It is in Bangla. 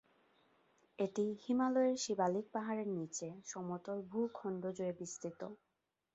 এটি হিমালয়ের শিবালিক পাহাড়ের নিচে সমতল ভূখণ্ড জুড়ে বিস্তৃত।